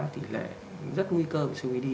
tỷ lệ rất nguy cơ của copd